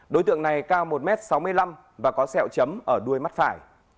đối tượng này cao một m sáu mươi năm và có sẹo chấm ở đuôi mắt phải